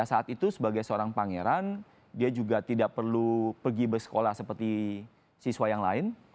saat itu sebagai seorang pangeran dia juga tidak perlu pergi bersekolah seperti siswa yang lain